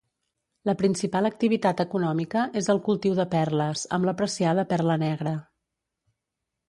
La principal activitat econòmica és el cultiu de perles, amb l'apreciada perla negra.